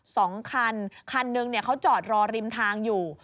สองคันคันหนึ่งเนี่ยเขาจอดรอริมทางอยู่